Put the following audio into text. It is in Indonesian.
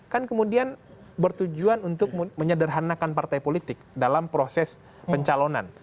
kan kemudian bertujuan untuk menyederhanakan partai politik dalam proses pencalonan